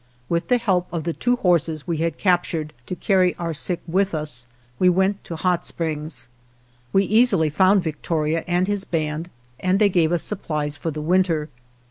With the help of the two horses we had cap tured, to carry our sick with us, we went to Hot Springs. We easily found Victoria and his band, and they gave us supplies for the winter.